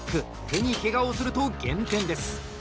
手に、けがをすると減点です。